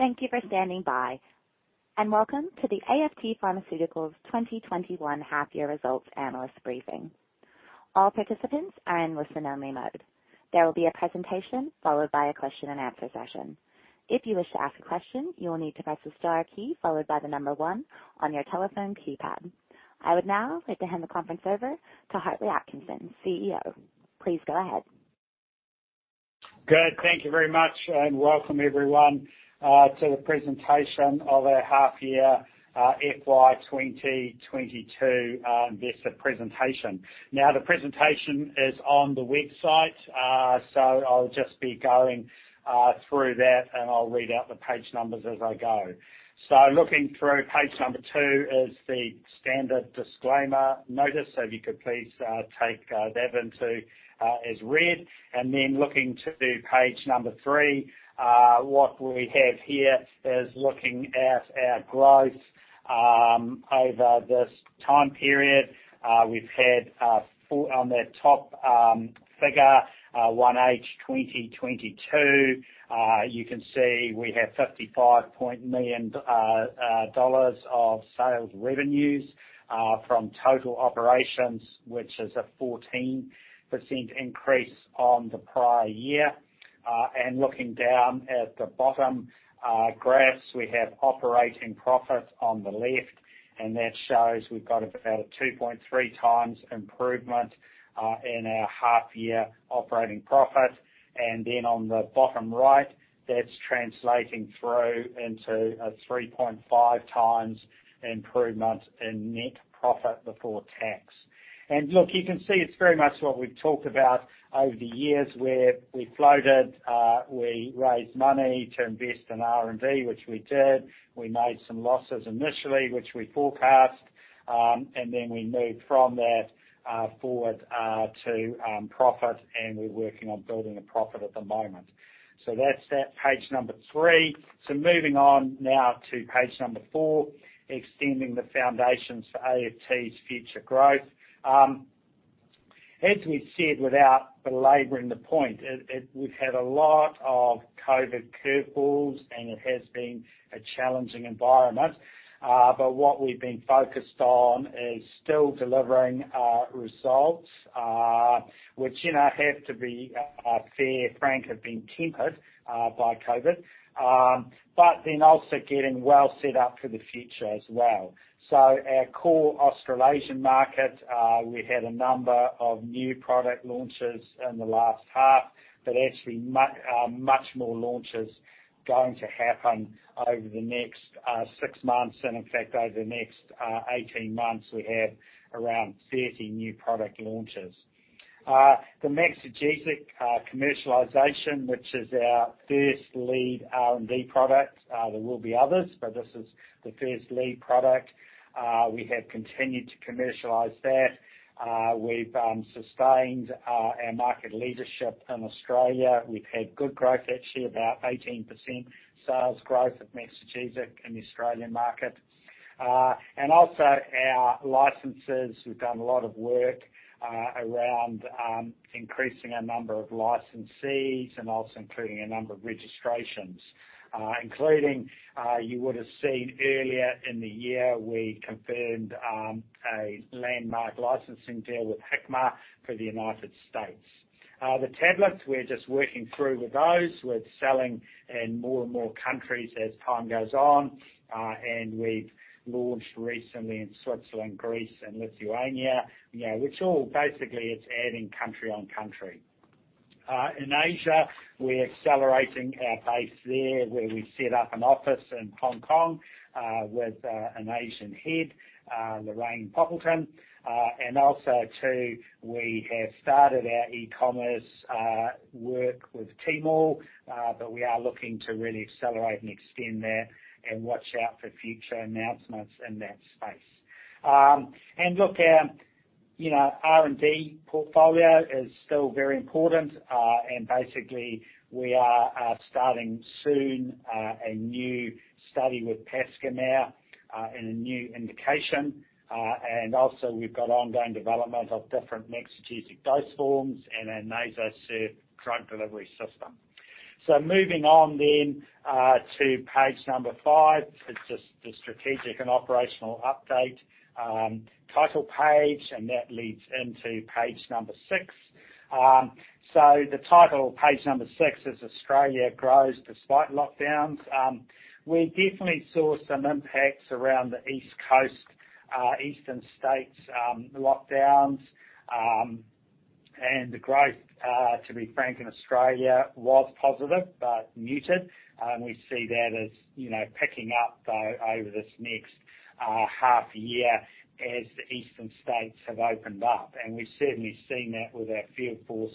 Thank you for standing by, and welcome to the AFT Pharmaceuticals 2021 half year results analyst briefing. All participants are in listen-only mode. There will be a presentation followed by a question and answer session. If you wish to ask a question, you will need to press the star key followed by the number one on your telephone keypad. I would now like to hand the conference over to Hartley Atkinson, CEO. Please go ahead. Good. Thank you very much, and welcome everyone to the presentation of our half year FY 2022 investor presentation. Now, the presentation is on the website so I'll just be going through that, and I'll read out the page numbers as I go. Page number two is the standard disclaimer notice. If you could please take that as read. Looking to page number three, what we have here is looking at our growth over this time period. On that top figure, 1H 2022, you can see we have 55 million dollars of sales revenues from total operations, which is a 14% increase on the prior year. Looking down at the bottom, graphs, we have operating profits on the left, and that shows we've got about a 2.3x improvement in our half year operating profit. On the bottom right, that's translating through into a 3.5x improvement in net profit before tax. Look, you can see it's very much what we've talked about over the years where we floated, we raised money to invest in R&D, which we did. We made some losses initially, which we forecast, and then we moved from that forward to profit, and we're working on building a profit at the moment. That's that. Page number three. Moving on now to page number four, extending the foundations for AFT's future growth. As we said, without belaboring the point, we've had a lot of COVID curfews, and it has been a challenging environment. What we've been focused on is still delivering results, which, you know, have to be fair and frank, have been tempered by COVID, also getting well set up for the future as well. Our core Australasian market, we had a number of new product launches in the last half, but actually much more launches going to happen over the next six months and in fact over the next 18 months, we have around 30 new product launches. The Maxigesic commercialization, which is our first lead R&D product, there will be others, but this is the first lead product. We have continued to commercialize that. We've sustained our market leadership in Australia. We've had good growth, actually about 18% sales growth of Maxigesic in the Australian market. Also our licenses, we've done a lot of work around increasing our number of licensees and also including a number of registrations, including you would've seen earlier in the year, we confirmed a landmark licensing deal with Hikma for the United States. The tablets, we're just working through with those. We're selling in more and more countries as time goes on. We've launched recently in Switzerland, Greece, and Lithuania. You know, which all basically it's adding country on country. In Asia, we're accelerating our pace there, where we set up an office in Hong Kong with an Asian head, Lorraine Poppleton. Also too, we have started our e-commerce work with Tmall, but we are looking to really accelerate and extend that and watch out for future announcements in that space. Look, you know, R&D portfolio is still very important, and basically, we are starting soon a new study with Pascomer in a new indication. Also we've got ongoing development of different Maxigesic dose forms and our NasoSURF drug delivery system. Moving on then to page five. It's just the strategic and operational update title page, and that leads into page six. The title of page six is Australia grows despite lockdowns. We definitely saw some impacts around the East Coast eastern states lockdowns. The growth, to be frank, in Australia was positive but muted. We see that as, you know, picking up, though, over this next half year as the eastern states have opened up. We've certainly seen that with our field force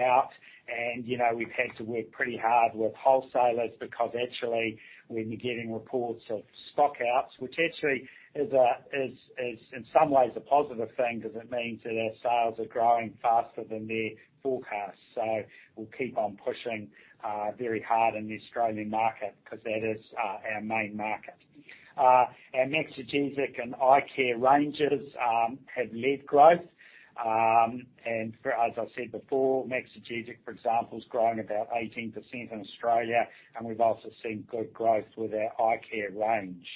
out. You know, we've had to work pretty hard with wholesalers because actually we've been getting reports of stockouts, which actually is in some ways a positive thing because it means that our sales are growing faster than their forecast. We'll keep on pushing very hard in the Australian market because that is our main market. Our Maxigesic and Eye Care ranges have led growth. For, as I said before, Maxigesic, for example, is growing about 18% in Australia, and we've also seen good growth with our Eye Care range.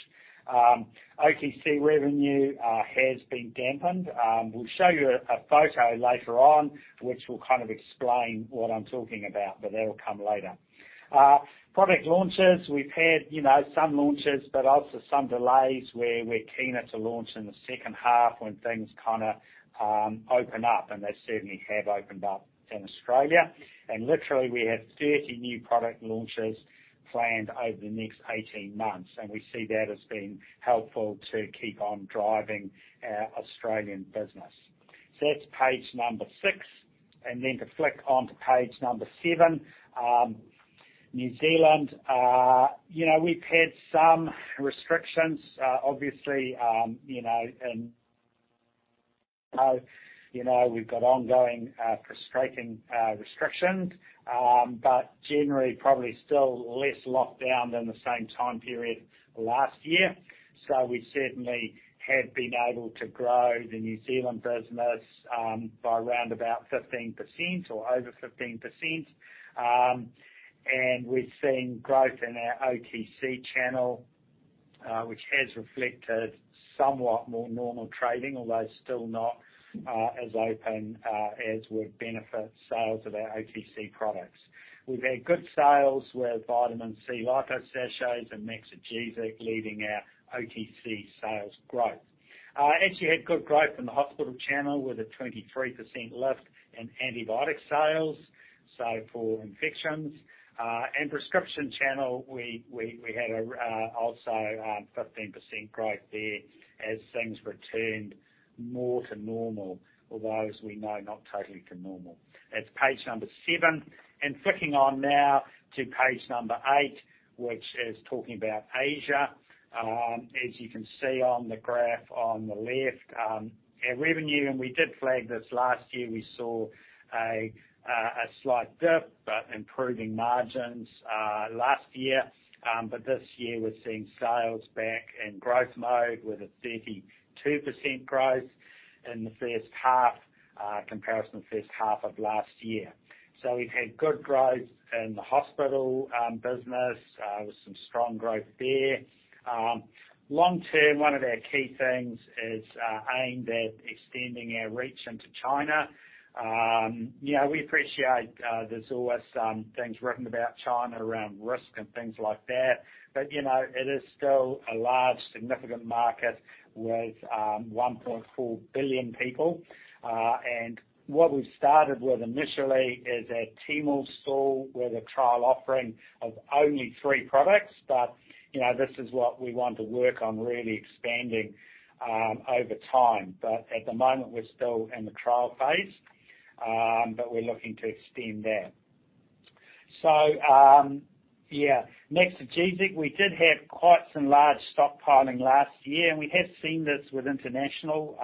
OTC revenue has been dampened. We'll show you a photo later on which will kind of explain what I'm talking about, but that'll come later. Product launches. We've had, you know, some launches, but also some delays where we're keener to launch in the second half when things kinda open up, and they certainly have opened up in Australia. Literally, we have 30 new product launches planned over the next 18 months, and we see that as being helpful to keep on driving our Australian business. That's page number six, and then to flick onto page number seven. New Zealand, you know, we've had some restrictions. Obviously, you know, we've got ongoing, frustrating, restrictions, but generally probably still less lockdown than the same time period last year. We certainly have been able to grow the New Zealand business by around about 15% or over 15%. We've seen growth in our OTC channel, which has reflected somewhat more normal trading, although still not as open as would benefit sales of our OTC products. We've had good sales with Vitamin C Lipo-Sachets and Maxigesic leading our OTC sales growth. Actually had good growth in the hospital channel with a 23% lift in antibiotic sales, so for infections. Prescription channel, we had also 15% growth there as things returned more to normal, although as we know, not totally to normal. That's page seven. Flicking on now to page eight, which is talking about Asia. As you can see on the graph on the left, our revenue, and we did flag this last year. We saw a slight dip but improving margins last year. This year we're seeing sales back in growth mode with a 32% growth in the first half compared to the first half of last year. We've had good growth in the hospital business with some strong growth there. Long term, one of our key things is aimed at extending our reach into China. You know, we appreciate there's always some things written about China around risk and things like that. You know, it is still a large, significant market with 1.4 billion people. What we've started with initially is a Tmall store with a trial offering of only three products. You know, this is what we want to work on really expanding over time. At the moment, we're still in the trial phase, but we're looking to extend that. Yeah, Maxigesic, we did have quite some large stockpiling last year, and we have seen this with international.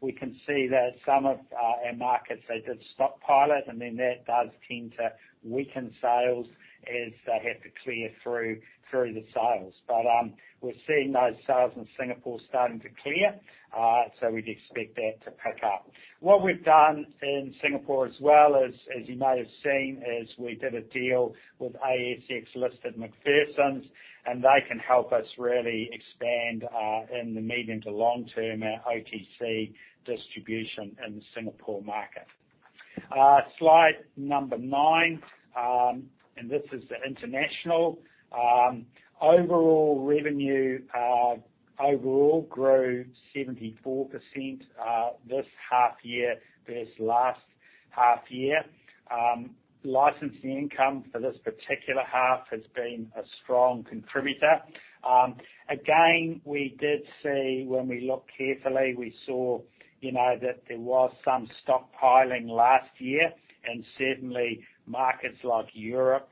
We can see that some of our markets, they did stockpile it, and then that does tend to weaken sales as they have to clear through the sales. We're seeing those sales in Singapore starting to clear. We'd expect that to pick up. What we've done in Singapore as well, as you may have seen, is we did a deal with ASX-listed McPherson's, and they can help us really expand in the medium to long term our OTC distribution in the Singapore market. Slide number nine, this is the international. Overall revenue grew 74% this half year versus last half year. Licensing income for this particular half has been a strong contributor. Again, when we looked carefully, we saw, you know, that there was some stockpiling last year, and certainly markets like Europe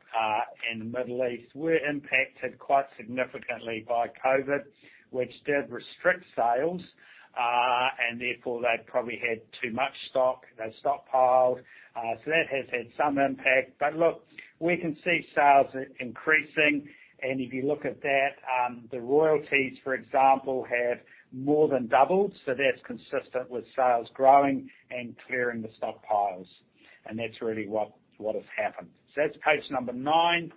and the Middle East were impacted quite significantly by COVID, which did restrict sales and therefore they probably had too much stock. They stockpiled. That has had some impact. Look, we can see sales increasing, and if you look at that, the royalties, for example, have more than doubled. That's consistent with sales growing and clearing the stockpiles. That's really what has happened. That's page number nine.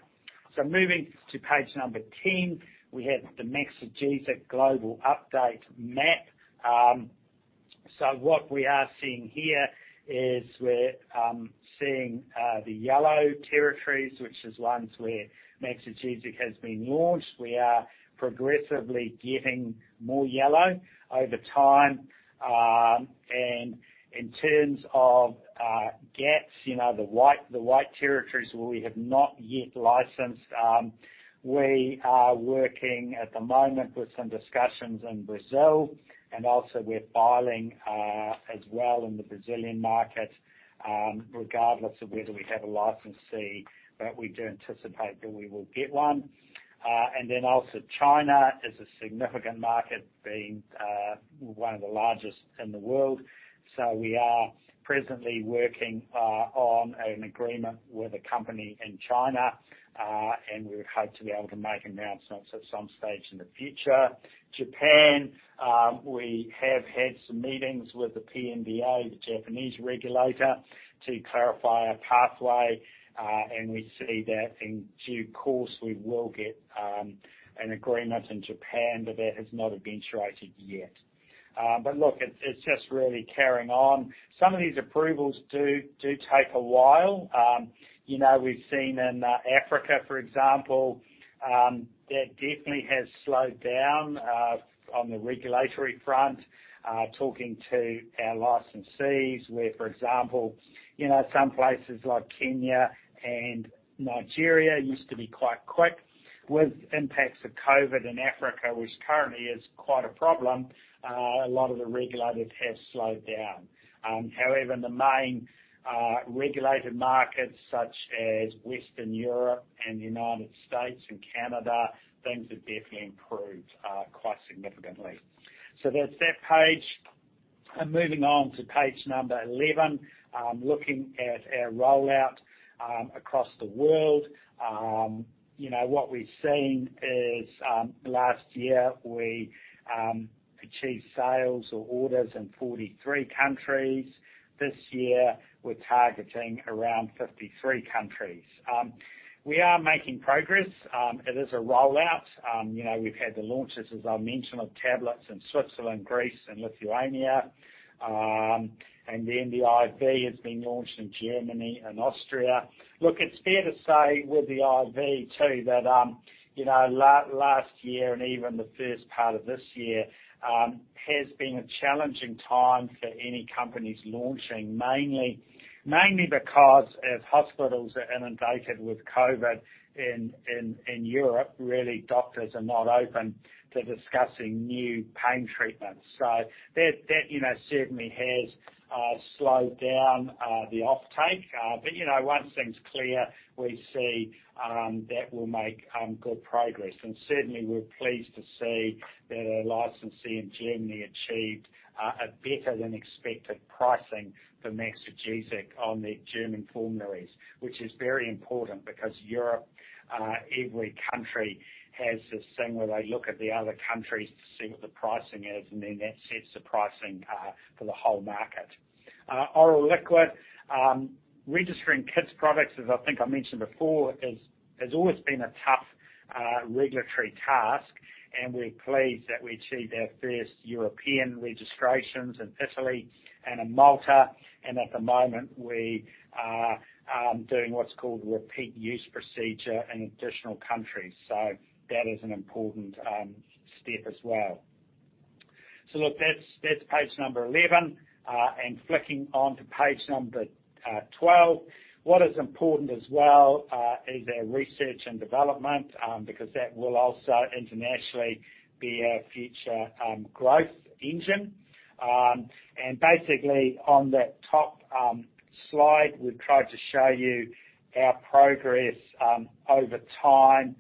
Moving to page number 10. We have the Maxigesic global update map. What we are seeing here is we're seeing the yellow territories, which is ones where Maxigesic has been launched. We are progressively getting more yellow over time. In terms of gaps, you know, the white territories where we have not yet licensed, we are working at the moment with some discussions in Brazil. We're filing as well in the Brazilian market, regardless of whether we have a licensee, but we do anticipate that we will get one. China is a significant market, being one of the largest in the world. We are presently working on an agreement with a company in China, and we hope to be able to make announcements at some stage in the future. Japan, we have had some meetings with the PMDA, the Japanese regulator, to clarify a pathway, and we see that in due course, we will get an agreement in Japan, but that has not eventuated yet. Look, it's just really carrying on. Some of these approvals do take a while. You know, we've seen in Africa, for example, that definitely has slowed down on the regulatory front, talking to our licensees where, for example, you know, some places like Kenya and Nigeria used to be quite quick. With impacts of COVID in Africa, which currently is quite a problem, a lot of the regulators have slowed down. However, the main regulated markets such as Western Europe and United States and Canada, things have definitely improved quite significantly. That's that page. Moving on to page number 11, looking at our rollout across the world. You know, what we've seen is last year we achieved sales or orders in 43 countries. This year, we're targeting around 53 countries. We are making progress. It is a rollout. You know, we've had the launches, as I mentioned, of tablets in Switzerland, Greece and Lithuania. The IV has been launched in Germany and Austria. Look, it's fair to say with the IV, too, that you know last year and even the first part of this year has been a challenging time for any companies launching, mainly because as hospitals are inundated with COVID in Europe, really, doctors are not open to discussing new pain treatments. That you know certainly has slowed down the offtake. You know, once things clear, we see that we'll make good progress. Certainly, we're pleased to see that our licensee in Germany achieved a better than expected pricing for Maxigesic on their German formularies, which is very important because Europe, every country has this thing where they look at the other countries to see what the pricing is, and then that sets the pricing for the whole market. Oral liquid. Registering kids products, as I think I mentioned before, has always been a tough regulatory task, and we're pleased that we achieved our first European registrations in Italy and in Malta. At the moment we are doing what's called Mutual Recognition Procedure in additional countries. That is an important step as well. Look, that's page number eleven, and flicking on to page number twelve. What is important as well is our research and development, because that will also internationally be our future growth engine. Basically on that top slide, we've tried to show you our progress over time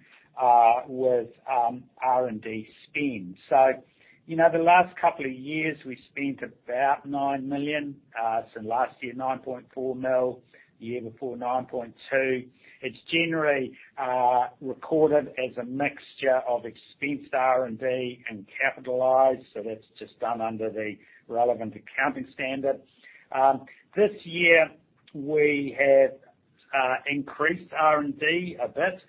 with R&D spend. You know, the last couple of years we spent about 9 million, so last year, 9.4 million, year before 9.2 million. It's generally recorded as a mixture of expensed R&D and capitalized, so that's just done under the relevant accounting standard. This year, we have increased R&D a bit,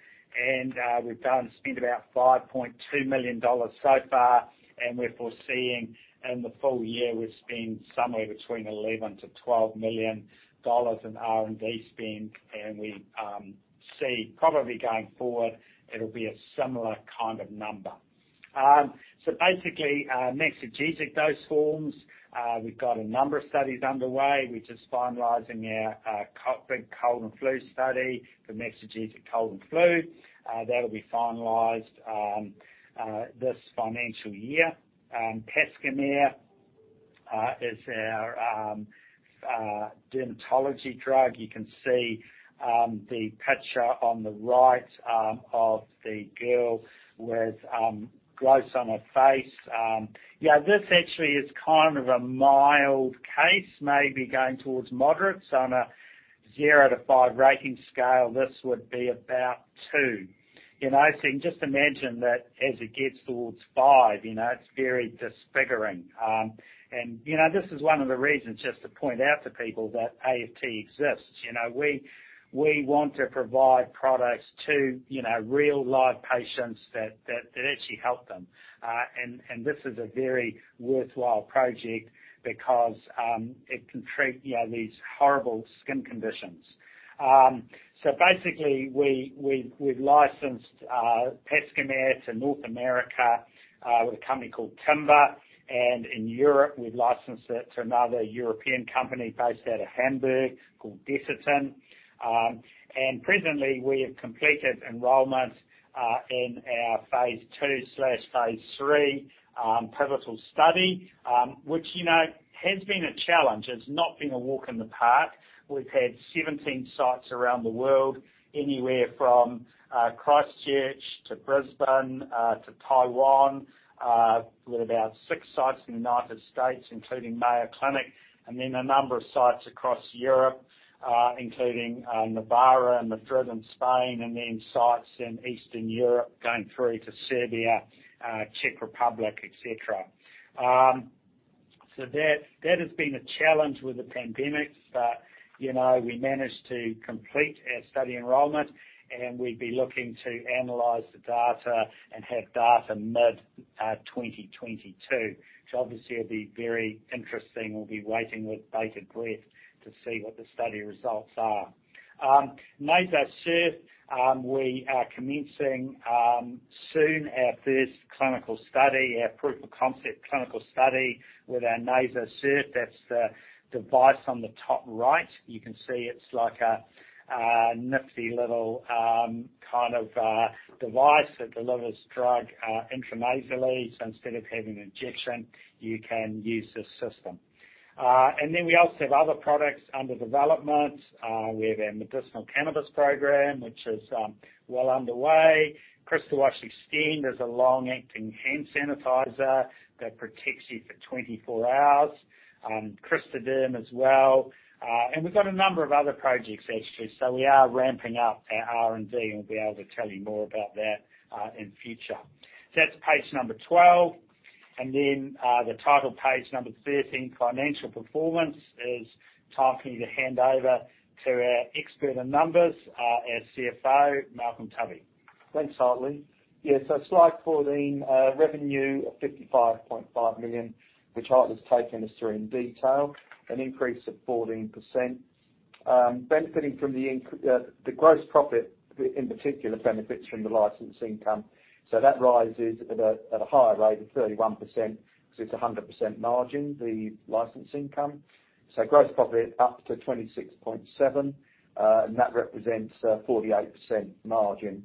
and we've spent about 5.2 million dollars so far, and we're foreseeing in the full year, we'll spend somewhere between 11 million-12 million dollars in R&D spend. We see probably going forward, it'll be a similar kind of number. Basically, Maxigesic dose forms, we've got a number of studies underway. We're just finalizing our big cold and flu study for Maxigesic Cold and Flu. That'll be finalized this financial year. Pascomer is our dermatology drug. You can see the picture on the right of the girl with growths on her face. Yeah, this actually is kind of a mild case, maybe going towards moderate. On a 0 to 5 rating scale, this would be about 2. You know, you can just imagine that as it gets towards 5, you know, it's very disfiguring. And you know, this is one of the reasons just to point out to people that AFT exists. You know, we want to provide products to, you know, real live patients that actually help them. And this is a very worthwhile project because it can treat, you know, these horrible skin conditions. Basically we've licensed Pascomer to North America with a company called Timber, and in Europe, we've licensed it to another European company based out of Hamburg called Desitin. Presently we have completed enrollment in our phase II/III pivotal study, which, you know, has been a challenge. It's not been a walk in the park. We've had 17 sites around the world, anywhere from Christchurch to Brisbane to Taiwan, with about six sites in the United States, including Mayo Clinic, and then a number of sites across Europe, including Navarra and Madrid in Spain, and then sites in Eastern Europe going through to Serbia, Czech Republic, et cetera. That has been a challenge with the pandemic. You know, we managed to complete our study enrollment, and we'd be looking to analyze the data and have data mid-2022. Obviously it'll be very interesting. We'll be waiting with bated breath to see what the study results are. NasoSURF, we are commencing soon our first clinical study, our proof of concept clinical study with our NasoSURF. That's the device on the top right. You can see it's like a nifty little kind of a device that delivers drug intranasally. Instead of having an injection, you can use this system. We also have other products under development. We have our medicinal cannabis program, which is well underway. Crystawash Extend is a long-acting hand sanitizer that protects you for 24 hours, Crystaderm as well. We've got a number of other projects actually. We are ramping up our R&D, and we'll be able to tell you more about that in future. That's page number 12, and then the title page number 13, Financial Performance. It is time for me to hand over to our expert in numbers, our CFO, Malcolm Tubby. Thanks, Hartley. Yeah, slide 14, revenue of 55.5 million, which Hartley's taken us through in detail, an increase of 14%. Benefiting from the gross profit, in particular, benefits from the license income. That rises at a higher rate of 31% because it's a 100% margin, the license income. Gross profit up to 26.7, and that represents a 48% margin.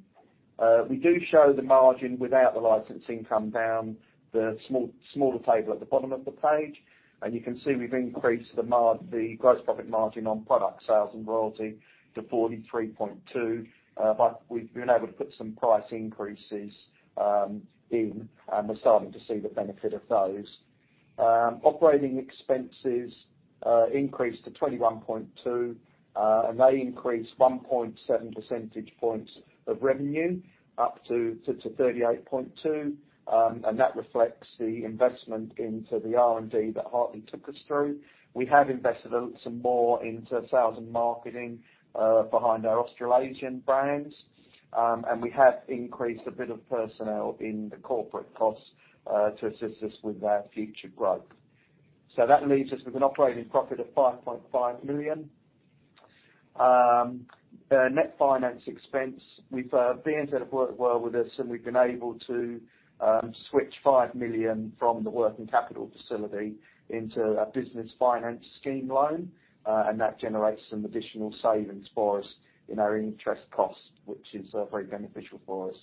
We do show the margin without the license income down the smaller table at the bottom of the page, and you can see we've increased the gross profit margin on product sales and royalty to 43.2%. We've been able to put some price increases in, and we're starting to see the benefit of those. Operating expenses increased to 21.2, and they increased 1.7 percentage points of revenue up to 38.2%. That reflects the investment into the R&D that Hartley took us through. We have invested some more into sales and marketing behind our Australasian brands. We have increased a bit of personnel in the corporate costs to assist us with our future growth. That leaves us with an operating profit of 5.5 million. Net finance expense, we've, BNZ have worked well with us, and we've been able to switch 5 million from the working capital facility into a Business Finance Guarantee Scheme loan, and that generates some additional savings for us in our interest costs, which is very beneficial for us.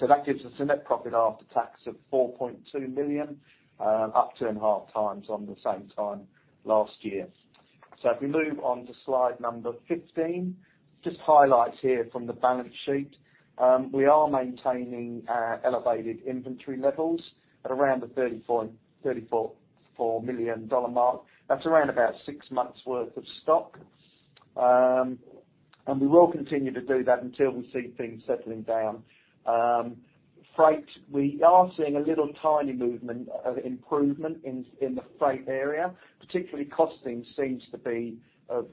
That gives us a net profit after tax of 4.2 million, up two and a half times on the same time last year. If we move on to slide number 15, just highlights here from the balance sheet. We are maintaining our elevated inventory levels at around the 34.4 million dollar mark. That's around about 6 months worth of stock. We will continue to do that until we see things settling down. Freight, we are seeing a little tiny movement, improvement in the freight area. Particularly costing seems to be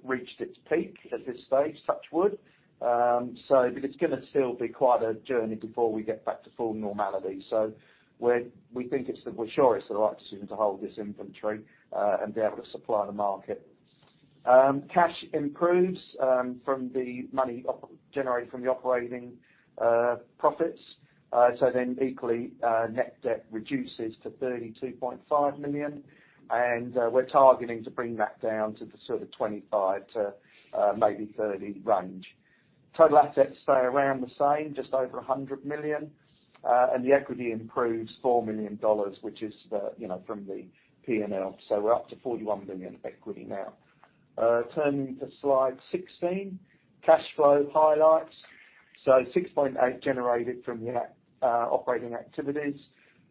reached its peak at this stage, touch wood. It's gonna still be quite a journey before we get back to full normality. We think it's the right decision to hold this inventory and be able to supply the market. Cash improves from the money generated from the operating profits. Net debt reduces to 32.5 million, and we're targeting to bring that down to the sort of 25 million-30 million range. Total assets stay around the same, just over 100 million, and the equity improves 4 million dollars, which is from the P&L. We're up to 41 million equity now. Turning to slide 16, cash flow highlights. 6.8 million generated from the operating activities.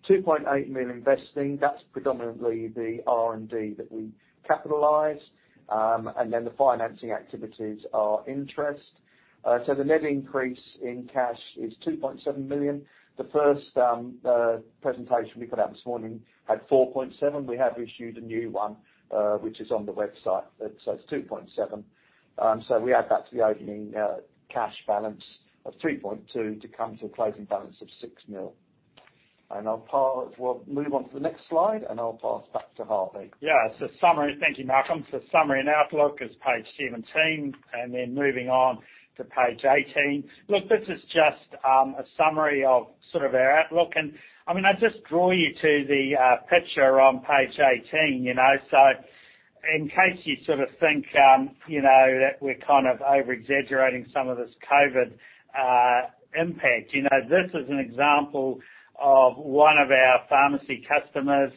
2.8 million investing, that's predominantly the R&D that we capitalize. The financing activities are interest. The net increase in cash is 2.7 million. The first presentation we put out this morning had 4.7 million. We have issued a new one, which is on the website. It's 2.7 million. We add that to the opening cash balance of 3.2 million to come to a closing balance of 6 million. We'll move on to the next slide, and I'll pass back to Hartley. Thank you, Malcolm. Summary and outlook is page 17, and then moving on to page 18. Look, this is just a summary of sort of our outlook. I mean, I just draw you to the picture on page 18, you know. In case you sort of think, you know, that we're kind of over-exaggerating some of this COVID impact, you know, this is an example of one of our pharmacy customers.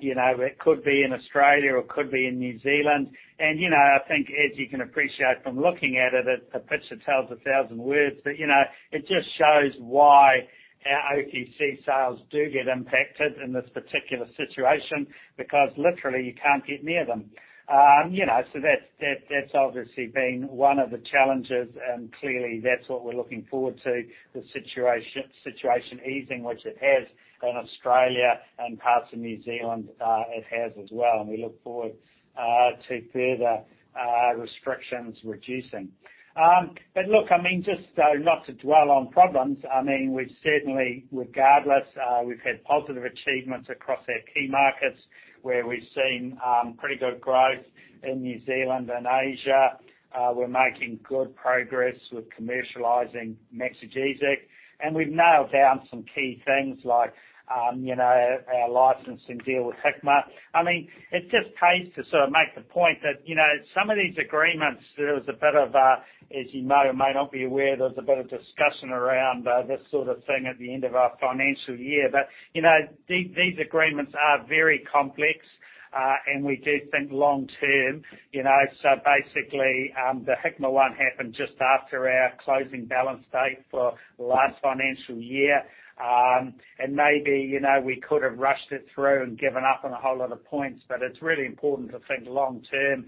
You know, it could be in Australia or it could be in New Zealand. You know, I think, as you can appreciate from looking at it, a picture tells 1,000 words. You know, it just shows why our OTC sales do get impacted in this particular situation, because literally you can't get near them. You know, that's obviously been one of the challenges. Clearly that's what we're looking forward to, the situation easing, which it has in Australia and parts of New Zealand, it has as well, and we look forward to further restrictions reducing. Look, I mean, just not to dwell on problems, I mean, we've certainly, regardless, we've had positive achievements across our key markets, where we've seen pretty good growth in New Zealand and Asia. We're making good progress with commercializing Maxigesic, and we've nailed down some key things like, you know, our licensing deal with Hikma. I mean, it just pays to sort of make the point that, you know, some of these agreements, as you may or may not be aware, there was a bit of discussion around this sort of thing at the end of our financial year. You know, these agreements are very complex, and we do think long term, you know. Basically, the Hikma one happened just after our closing balance date for the last financial year. Maybe, you know, we could have rushed it through and given up on a whole lot of points, but it's really important to think long term.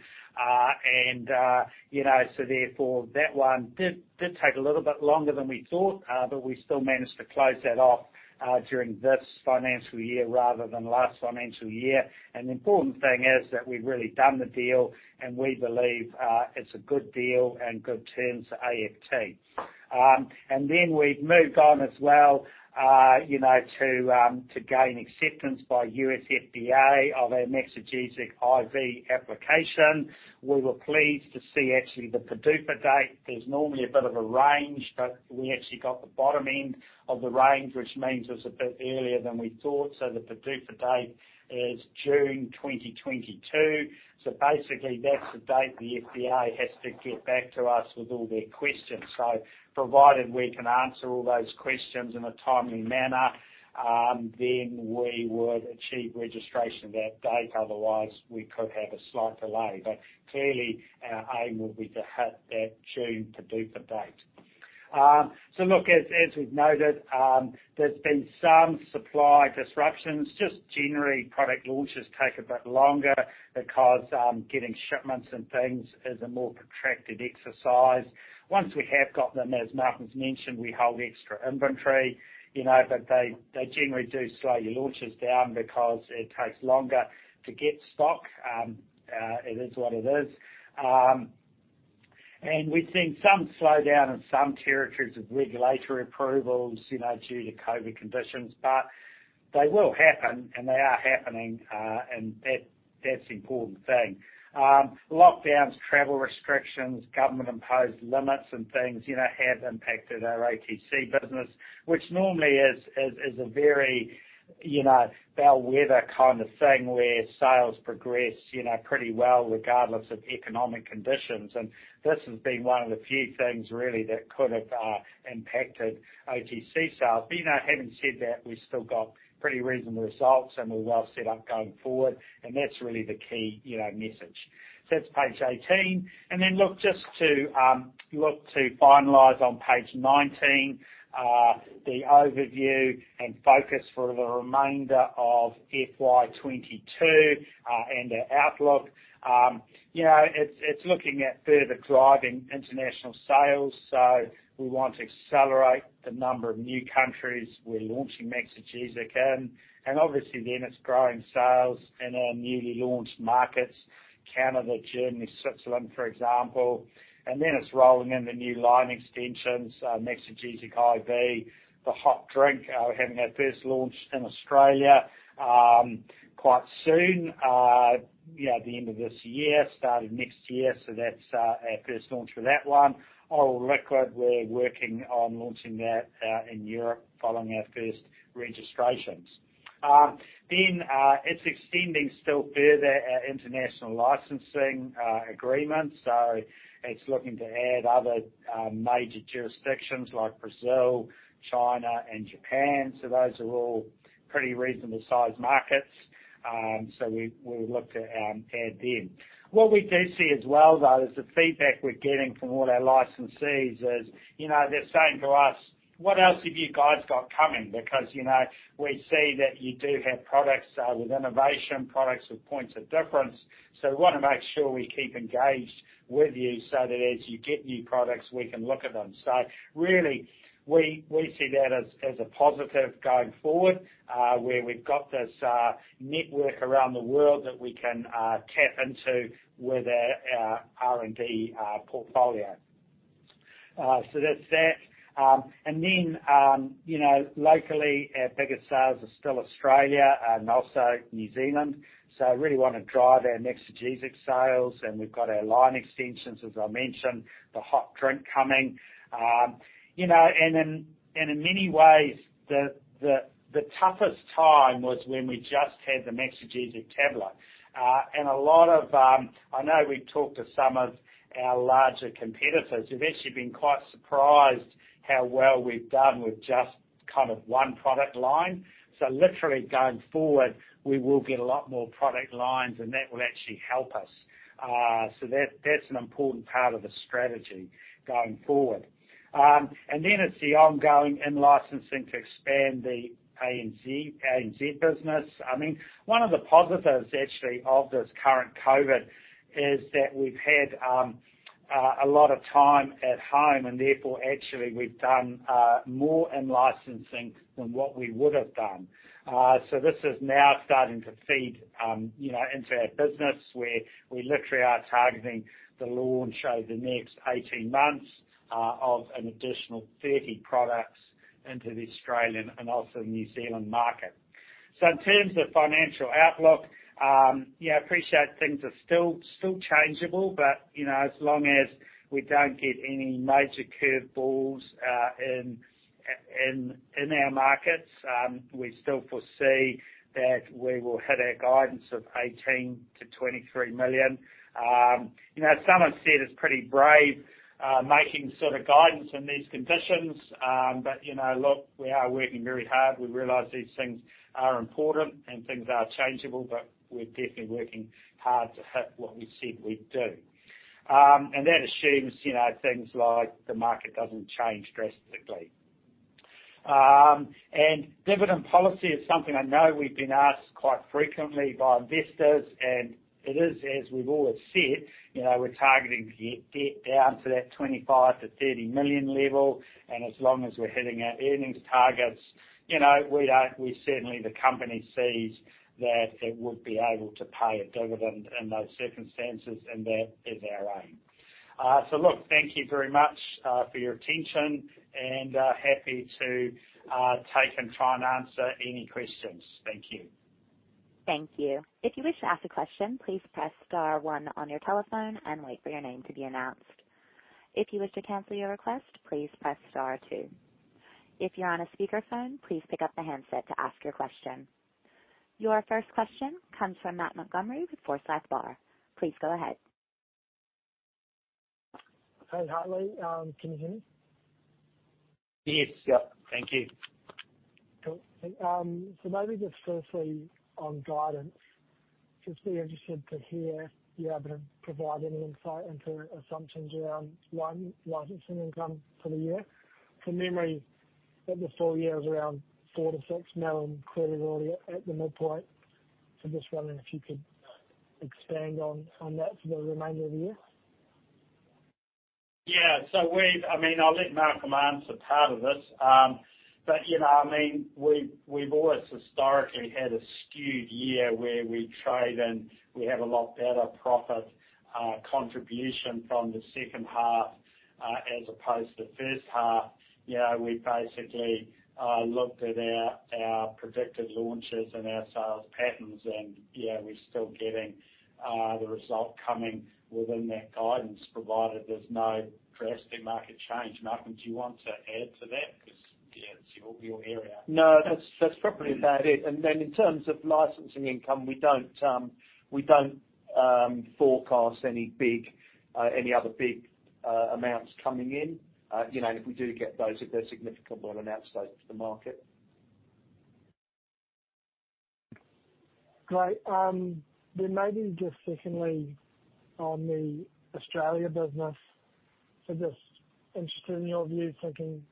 That one did take a little bit longer than we thought, but we still managed to close that off during this financial year rather than last financial year. The important thing is that we've really done the deal, and we believe it's a good deal and good terms for AFT. We've moved on as well, you know, to gain acceptance by U.S. FDA of our Maxigesic IV application. We were pleased to see actually the PDUFA date. There's normally a bit of a range, but we actually got the bottom end of the range, which means it's a bit earlier than we thought. The PDUFA date is June 2022. Basically that's the date the FDA has to get back to us with all their questions. Provided we can answer all those questions in a timely manner, then we would achieve registration that date. Otherwise, we could have a slight delay. Clearly, our aim will be to hit that June PDUFA date. Look, as we've noted, there's been some supply disruptions. Just generally, product launches take a bit longer because getting shipments and things is a more protracted exercise. Once we have got them, as Malcolm's mentioned, we hold extra inventory, you know, but they generally do slow your launches down because it takes longer to get stock. It is what it is. We've seen some slowdown in some territories with regulatory approvals, you know, due to COVID conditions. They will happen, and they are happening, and that's the important thing. Lockdowns, travel restrictions, government-imposed limits and things, you know, have impacted our OTC business, which normally is a very, you know, bellwether kind of thing, where sales progress, you know, pretty well regardless of economic conditions. This has been one of the few things really that could have impacted OTC sales. You know, having said that, we've still got pretty reasonable results, and we're well set up going forward. That's really the key, you know, message. That's page 18. Then look, just to look to finalize on page 19, the overview and focus for the remainder of FY 2022, and our outlook. You know, it's looking at further driving international sales, so we want to accelerate the number of new countries we're launching Maxigesic in. Obviously then it's growing sales in our newly launched markets, Canada, Germany, Switzerland, for example. It's rolling in the new line extensions, Maxigesic IV, the hot drink, we're having our first launch in Australia, quite soon, you know, at the end of this year, start of next year. That's our first launch for that one. Oral liquid, we're working on launching that in Europe following our first registrations. It's extending still further our international licensing agreements. It's looking to add other major jurisdictions like Brazil, China and Japan. Those are all pretty reasonable sized markets, so we'll look to add them. What we do see as well, though, is the feedback we're getting from all our licensees is, you know, they're saying to us, "What else have you guys got coming? Because, you know, we see that you do have products with innovation, products with points of difference. We wanna make sure we keep engaged with you so that as you get new products, we can look at them." Really, we see that as a positive going forward, where we've got this network around the world that we can tap into with our R&D portfolio. That's that. Then, you know, locally, our biggest sales are still Australia and also New Zealand. Really wanna drive our Maxigesic sales, and we've got our line extensions, as I mentioned, the hot drink coming. You know, and in many ways the toughest time was when we just had the Maxigesic tablet. A lot of, I know we talked to some of our larger competitors who've actually been quite surprised how well we've done with just kind of one product line. Literally going forward, we will get a lot more product lines, and that will actually help us. That, that's an important part of the strategy going forward. Then it's the ongoing in-licensing to expand the ANZ business. I mean, one of the positives actually of this current COVID is that we've had a lot of time at home, and therefore actually we've done more in-licensing than what we would've done. This is now starting to feed, you know, into our business, where we literally are targeting the launch over the next 18 months of an additional 30 products into the Australian and also New Zealand market. In terms of financial outlook, I appreciate things are still changeable, but you know, as long as we don't get any major curveballs in our markets, we still foresee that we will hit our guidance of 18 million-23 million. You know, some have said it's pretty brave making sort of guidance in these conditions. You know, look, we are working very hard. We realize these things are important, and things are changeable, but we're definitely working hard to hit what we said we'd do. That assumes, you know, things like the market doesn't change drastically. Dividend policy is something I know we've been asked quite frequently by investors, and it is as we've always said, you know, we're targeting to get debt down to that 25 million-30 million level. As long as we're hitting our earnings targets, you know, we certainly the company sees that it would be able to pay a dividend in those circumstances, and that is our aim. Look, thank you very much for your attention and happy to take and try and answer any questions. Thank you. Thank you. If you wish to ask a question, please press star one on your telephone and wait for your name to be announced. If you wish to cancel your request, please press star two. If you're on a speaker phone, please pick up the handset to ask your question. Your first question comes from Matt Montgomerie with Forsyth Barr. Please go ahead. Hey, Hartley. Can you hear me? Yes. Yep. Thank you. Cool, thank you. I'd just be interested to hear if you're able to provide any insight into assumptions around one licensing income for the year. From memory, I think the full year was around 4 million-6 million, clearly already at the midpoint. Just wondering if you could expand on that for the remainder of the year. I mean, I'll let Malcolm answer part of this. You know, I mean, we've always historically had a skewed year where we trade and we have a lot better profit contribution from the second half as opposed to first half. You know, we basically looked at our predicted launches and our sales patterns and yeah, we're still getting the result coming within that guidance provided there's no drastic market change. Malcolm, do you want to add to that? Because yeah, it's your area. No, that's probably about it. In terms of licensing income, we don't forecast any other big amounts coming in. You know, and if we do get those, if they're significant, we'll announce those to the market. Great. Maybe just secondly on the Australia business, so just interested in your view, thinking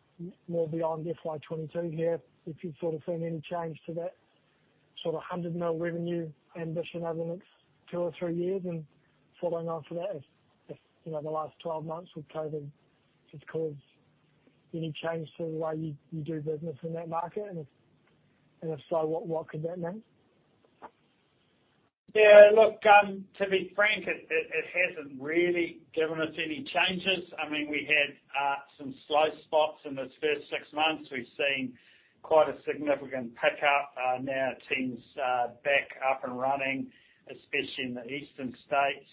more beyond FY 2022 here, if you've sort of seen any change to that sort of 100 million revenue ambition over the next two or three years? Following on from that, if you know, the last 12 months with COVID has caused any change to the way you do business in that market. If so, what could that mean? Yeah, look, to be frank, it hasn't really given us any changes. I mean, we had some slow spots in this first six months. We've seen quite a significant pickup. Now teams are back up and running, especially in the eastern states.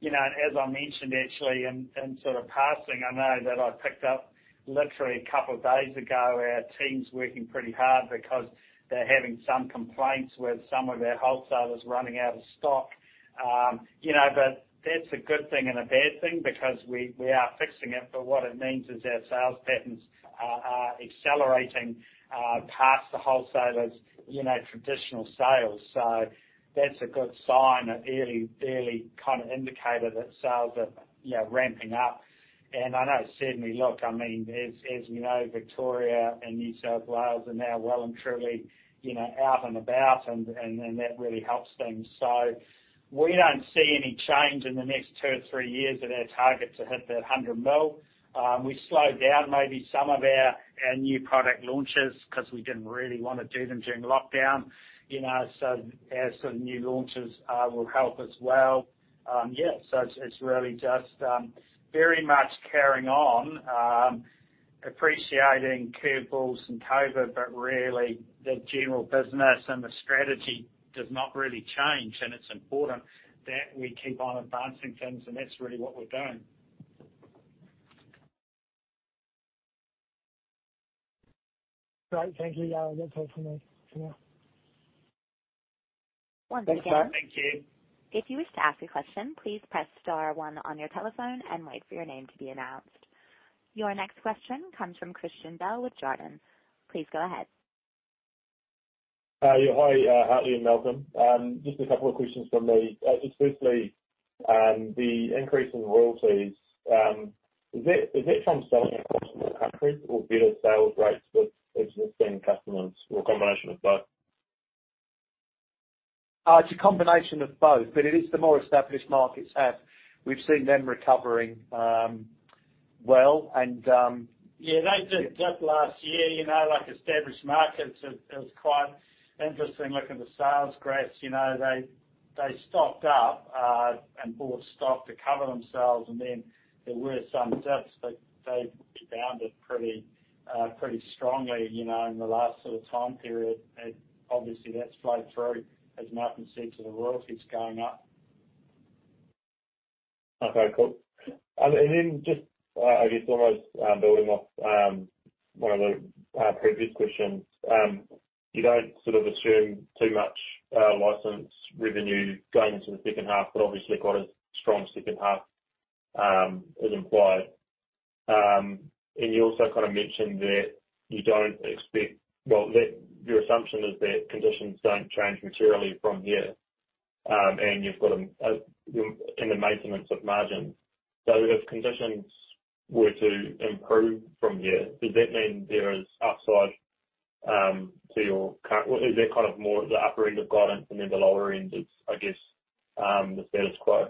You know, as I mentioned actually in sort of passing, I know that I picked up literally a couple of days ago, our team's working pretty hard because they're having some complaints with some of our wholesalers running out of stock. You know, but that's a good thing and a bad thing because we are fixing it, but what it means is our sales patterns are accelerating past the wholesalers' traditional sales. That's a good sign, an early kind of indicator that sales are ramping up. I know certainly look, I mean, as you know, Victoria and New South Wales are now well and truly, you know, out and about, and that really helps things. We don't see any change in the next two or three years of our target to hit that 100 million. We slowed down maybe some of our new product launches 'cause we didn't really wanna do them during lockdown, you know, so our sort of new launches will help as well. Yeah, it's really just very much carrying on, appreciating curveballs and COVID, but really the general business and the strategy does not really change. It's important that we keep on advancing things, and that's really what we're doing. Great. Thank you. Yeah, that's all from me for now. Once again- Thanks, guys. Thank you. If you wish to ask a question, please press star one on your telephone and wait for your name to be announced. Your next question comes from Christian Bell with Jarden. Please go ahead. Yeah. Hi, Hartley and Malcolm. Just a couple of questions from me. Just firstly, the increase in royalties, is that from selling across more countries or better sales rates with existing customers or a combination of both? It's a combination of both, but the more established markets have. We've seen them recovering well and— Yeah, they did that last year, you know, like established markets. It was quite interesting looking at the sales graphs. You know, they stocked up and bought stock to cover themselves, and then there were some dips, but they rebound it pretty strongly, you know, in the last sort of time period. Obviously that's flowed through, as Malcolm said, to the royalties going up. Okay, cool. Then just, I guess almost building off one of the previous questions. You don't sort of assume too much license revenue going into the second half, but obviously quite a strong second half is implied. You also kinda mentioned that your assumption is that conditions don't change materially from here, and you've got them in the maintenance of margins. If conditions were to improve from here, does that mean there is upside to your or is there kind of more at the upper end of guidance and then the lower end is, I guess, the status quo?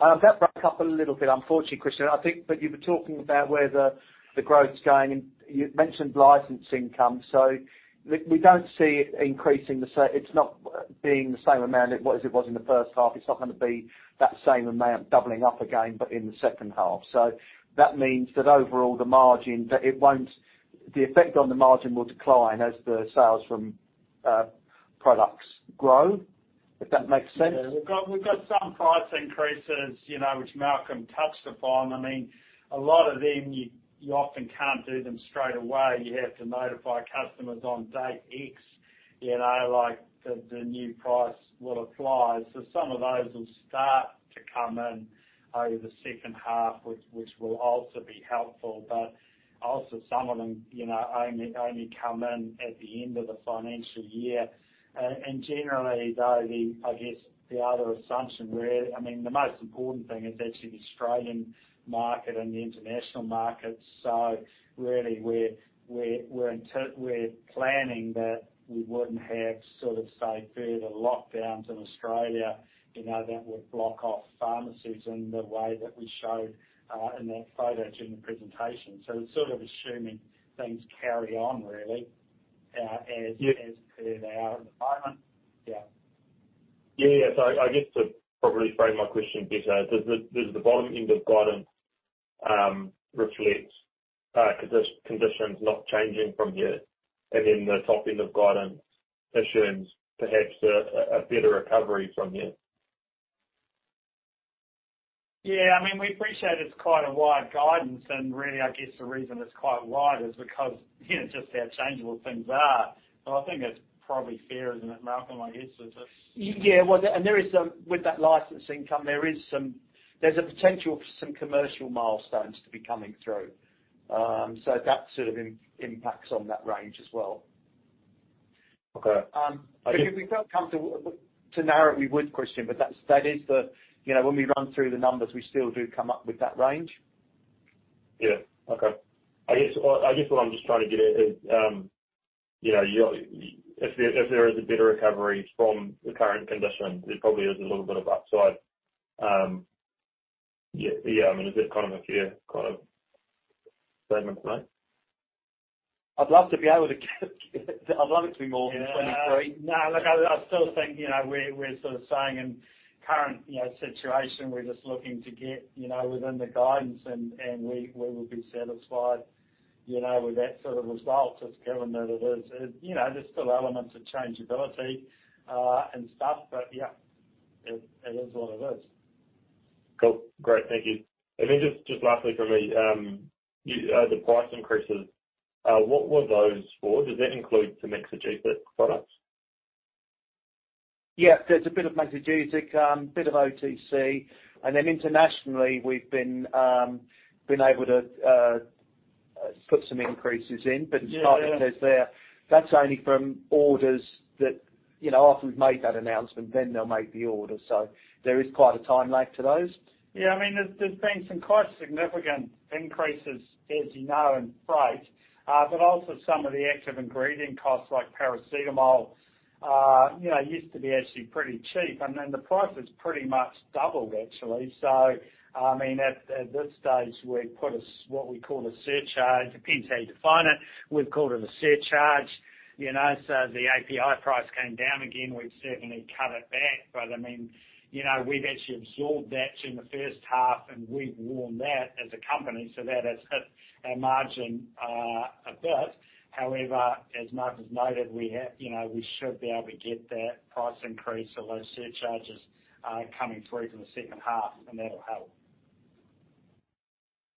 That wrapped up a little bit unfortunately, Christian. I think that you were talking about where the growth's going and you mentioned license income. We don't see it increasing. It's not being the same amount as it was in the first half. It's not gonna be that same amount doubling up again, but in the second half. That means that overall the margin effect will decline as the sales from products grow, if that makes sense. Yeah. We've got some price increases, you know, which Malcolm touched upon. I mean, a lot of them, you often can't do them straight away. You have to notify customers on date X. You know, like the new price will apply. Some of those will start to come in over the second half, which will also be helpful. Also some of them, you know, only come in at the end of the financial year. Generally, though, I guess the other assumption where, I mean, the most important thing is actually the Australian market and the international markets. Really we're planning that we wouldn't have sort of, say, further lockdowns in Australia, you know, that would block off pharmacies in the way that we showed in that photo during the presentation. It's sort of assuming things carry on really, as per now at the moment. Yeah. Yeah. I guess to probably frame my question better, does the bottom end of guidance reflect conditions not changing from here, and then the top end of guidance assumes perhaps a better recovery from here? Yeah. I mean, we appreciate it's quite a wide guidance and really, I guess the reason it's quite wide is because, you know, just how changeable things are. I think that's probably fair, isn't it, Malcolm, I guess, is it? Yeah. Well, there is, with that license income, there is some potential for some commercial milestones to be coming through. That sort of impacts on that range as well. Okay. If we felt comfortable to narrow it, we would, Christian, but that is the, you know, when we run through the numbers, we still do come up with that range. Yeah. Okay. I guess what I'm just trying to get at is, you know, if there is a better recovery from the current conditions, there probably is a little bit of upside. Yeah. Yeah. I mean, is it kind of a fair statement to make? I'd love it to be more than 23. Yeah. No, look, I still think, you know, we're sort of saying in current, you know, situation, we're just looking to get, you know, within the guidance and we will be satisfied, you know, with that sort of result, just given that it is. You know, there's still elements of changeability and stuff, but yeah, it is what it is. Cool. Great. Thank you. Just lastly from me, the price increases, what were those for? Does that include some Maxigesic products? Yeah, there's a bit of Maxigesic, bit of OTC, and then internationally we've been able to put some increases in. Yeah. That's only from orders that, you know, after we've made that announcement, then they'll make the order. There is quite a time lag to those. Yeah, I mean, there's been some quite significant increases, as you know, in freight. But also some of the active ingredient costs like paracetamol, you know, used to be actually pretty cheap, and then the price has pretty much doubled actually. I mean, at this stage we put a what we call a surcharge. Depends how you define it. We've called it a surcharge, you know. The API price came down again, we've certainly cut it back. But I mean, you know, we've actually absorbed that in the first half and we've worn that as a company. That has hit our margin a bit. However, as Malcolm's noted, we have, you know, we should be able to get that price increase or those surcharges coming through for the second half, and that'll help.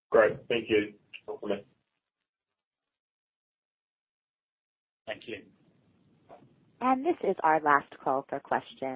Great. Thank you. Let's talk again. Thank you. This is our last call for questions.